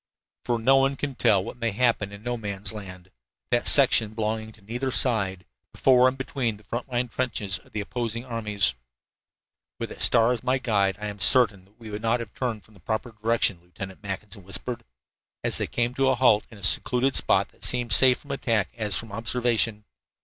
For no one can tell what may happen in No Man's Land that section belonging to neither side, before and between the front line trenches of the opposing armies. "With that star as my guide, I am certain that we have not turned from the proper direction," Lieutenant Mackinson whispered, as they came to a halt in a secluded spot that seemed as safe from attack as from observation.